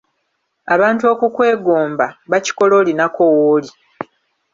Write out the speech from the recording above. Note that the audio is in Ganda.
Abantu okukwegomba bakikola olinako w’oli.